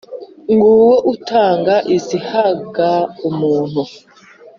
Nguwo utanga izihaga umuntu!